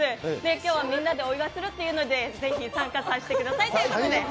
今日はみんなでお祝いするというのでぜひ参加させてくださいというので。